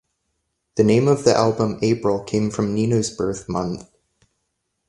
The name of the album "April" came from Nino's birth-month.